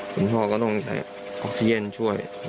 คุณพ่อก็ต้องใช้อัพเซียอนช่วยหลังช่วง